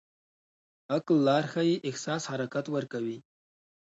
عقل لار ښيي، احساس حرکت ورکوي.